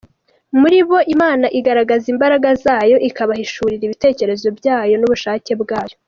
Muri bo Imana igaragaza imbaraga zayo, ikabahishurira ibitekerezo byayo n’ubushake bwayo.